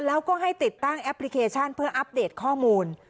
แล้วก็ให้ติดตั้งแอปพลิเคชันเพื่ออัปเดตข้อมูล